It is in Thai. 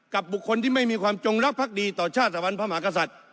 บุคคลที่ไม่มีความจงรักภักดีต่อชาติสวรรค์พระมหากษัตริย์